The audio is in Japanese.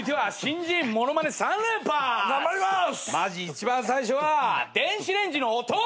一番最初は電子レンジの音！